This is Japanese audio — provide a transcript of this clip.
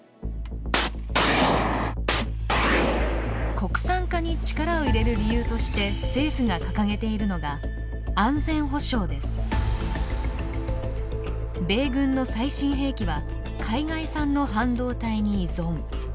国産化に力を入れる理由として政府が掲げているのが米軍の最新兵器は海外産の半導体に依存。